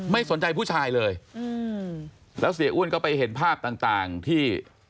ไม่สนใจผู้ชายเลยอืมแล้วเสียอ้วนก็ไปเห็นภาพต่างที่